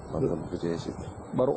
baru bpjs itu